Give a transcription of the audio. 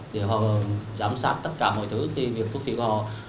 để họ giám sát tất cả mọi thứ thì việc thu phí của họ